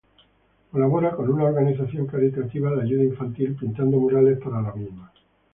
Colabora con una organización caritativa de ayuda infantil pintando murales para la misma.